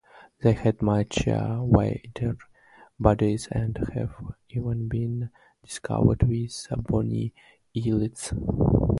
They had much wider bodies and have even been discovered with bony eyelids.